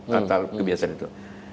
kata kebiasaan itu